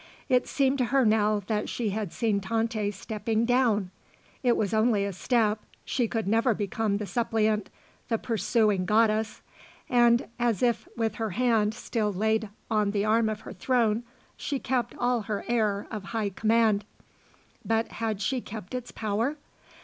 It seemed to her now that she had seen Tante stepping down. It was only a step; she could never become the suppliant, the pursuing goddess; and, as if with her hand still laid on the arm of her throne, she kept all her air of high command. But had she kept its power?